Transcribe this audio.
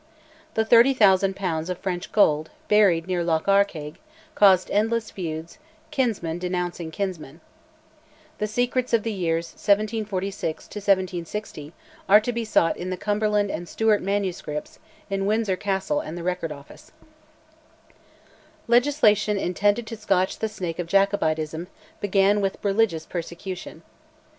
The 30,000 pounds of French gold, buried near Loch Arkaig, caused endless feuds, kinsman denouncing kinsman. The secrets of the years 1746 1760 are to be sought in the Cumberland and Stuart MSS. in Windsor Castle and the Record Office. Legislation, intended to scotch the snake of Jacobitism, began with religious persecution.